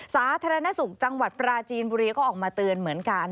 สาธารณสุขจังหวัดปราจีนบุรีก็ออกมาเตือนเหมือนกัน